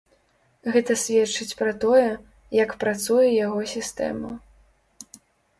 Гэта сведчыць пра тое, як працуе яго сістэма.